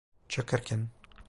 Çok erken.